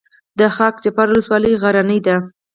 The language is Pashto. د خاک جبار ولسوالۍ غرنۍ ده